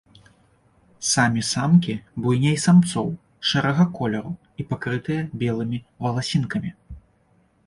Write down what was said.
Самі самкі буйней самцоў, шэрага колеру і пакрытыя белымі валасінкамі.